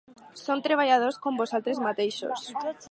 Som treballadors, com vosaltres mateixos.